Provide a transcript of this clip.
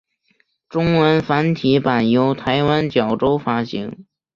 中文繁体版由台湾角川发行。